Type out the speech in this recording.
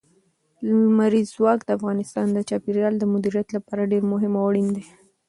لمریز ځواک د افغانستان د چاپیریال د مدیریت لپاره ډېر مهم او اړین دي.